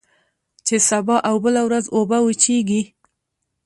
چي سبا او بله ورځ اوبه وچیږي